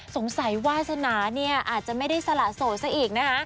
สงสัยวาสนาเนี่ยอาจจะไม่ได้สละโสดซะอีกนะคะ